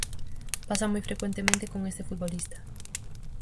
Pasa moi frecuentemente con este futbolista.